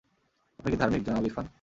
আপনি কি ধার্মিক, জনাব ইরফান?